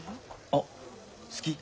あっ好き？